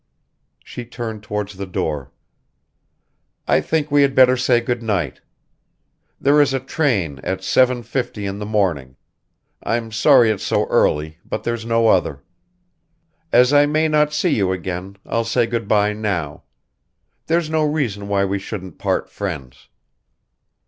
She turned towards the door. "I think we had better say good night. There is a train at seven fifty in the morning. I'm sorry it's so early, but there's no other. As I may not see you again I'll say good bye now. There's no reason why we shouldn't part friends."